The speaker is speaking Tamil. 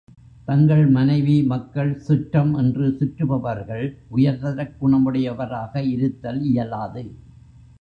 தங்கள் மனைவி, மக்கள், சுற்றம் என்று சுற்றுபவர்கள் உயர்தரக் குணமுடையவராக இருத்தல் இயலாது.